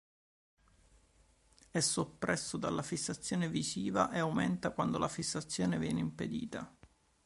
È soppresso dalla fissazione visiva e aumenta quando la fissazione viene impedita.